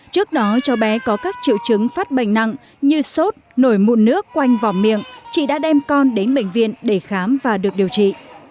trước đó cho bé có các triệu chứng phát bệnh nặng như sốt nổi mụn nước quanh vòng miệng chị đã đem con đến bệnh viện để khám và được điều trị